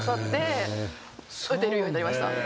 打てるようになりました。